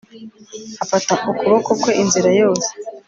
Afata ukuboko kwe inzira yose